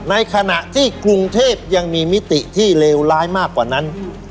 ในขณะที่กรุงเทพยังมีมิติที่เลวร้ายมากกว่านั้น